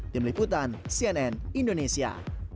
tim liputan cnn indonesia